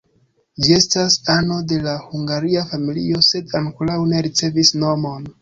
Ĝi estas ano de la hungaria familio sed ankoraŭ ne ricevis nomon.